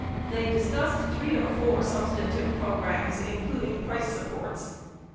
13 They discussed three or four substantive pro grams, including price supports.